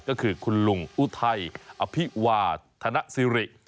ก็คือคุณลุงอุทัยอภิวาธนสิริ